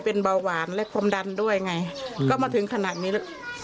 เป็นเบาหวานและความดันด้วยไงก็มาถึงขนาดนี้แล้ว